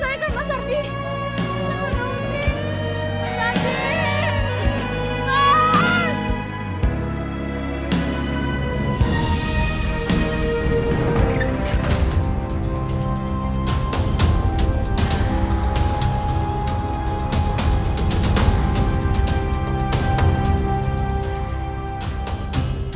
mas aku gak tau sih